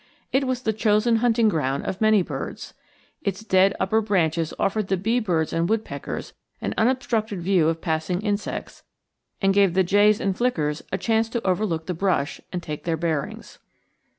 It was the chosen hunting ground of many birds. Its dead upper branches offered the bee birds and woodpeckers an unobstructed view of passing insects, and gave the jays and flickers a chance to overlook the brush, and take their bearings.